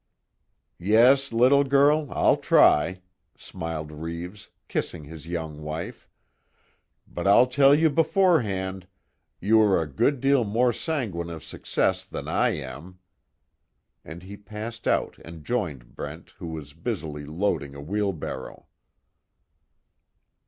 "Yes, little girl, I'll try," smiled Reeves, kissing his young wife, "But I'll tell you beforehand, you are a good deal more sanguine of success than I am." And he passed out and joined Brent who was busily loading a wheelbarrow.